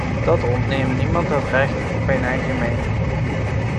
Dat ontneemt niemand het recht op een eigen mening.